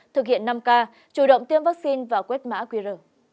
thực hiện năm k chủ động tiêm vaccine và quét mã qr